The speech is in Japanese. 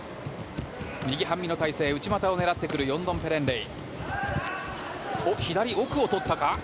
右半身の体勢、内股を狙ってくるヨンドンペレンレイ。